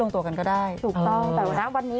ต่อไปอาจจะ